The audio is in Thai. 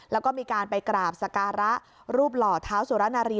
แล้วก็มีการไปกราบสการะรูปหล่อเท้าสุรนารี